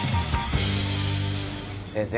先生。